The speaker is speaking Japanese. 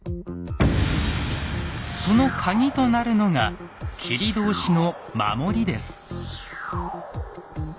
そのカギとなるのが切通の守りです。